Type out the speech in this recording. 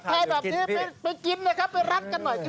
ทักทายแบบนี้ไปกินนะครับไปรักกันหน่อย